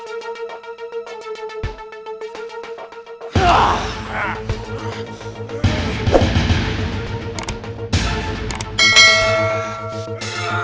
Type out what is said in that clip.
kita harus cepat pergi dari sikulin